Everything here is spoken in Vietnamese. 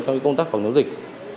trong cái công tác phòng chống dịch